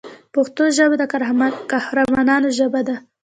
پښتو ژبه د قهرمانانو ژبه ده.